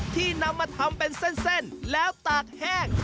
นำมาทำเป็นเส้นแล้วตากแห้ง